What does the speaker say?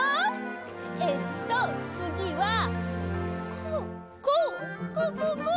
えっとつぎはこうこうこうこうこう。